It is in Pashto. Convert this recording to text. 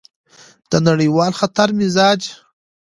د نړیوال خطر مزاج: